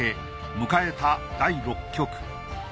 迎えた第６局。